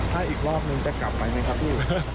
ถ้าอีกรอบนึงจะกลับไปไหมครับพี่